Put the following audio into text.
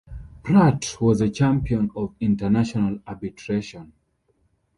Pratt was a champion of international arbitration.